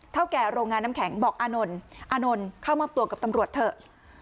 แก่โรงงานน้ำแข็งบอกอานนท์อานนท์เข้ามอบตัวกับตำรวจเถอะ